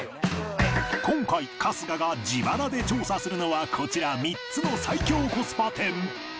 今回春日が自腹で調査するのはこちら３つの最強コスパ店。